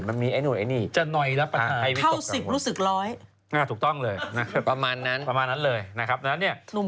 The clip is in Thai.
อย่าพึ่งน้อยไปก่อน